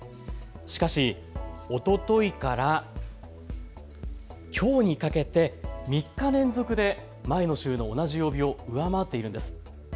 しかし、おとといからきょうにかけて３日連続で前の週の同じ曜日を上回っているんです。